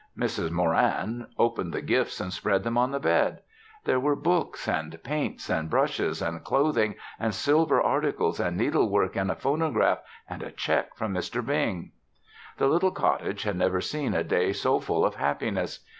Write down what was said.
Mrs. Moran opened the gifts and spread them on the bed. There were books and paints and brushes and clothing and silver articles and needle work and a phonograph and a check from Mr. Bing. The little cottage had never seen a day so full of happiness.